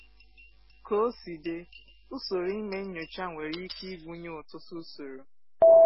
Ka o si dị, usoro ime nnyocha nwere ike ịgụnye ọtụtụ usoro.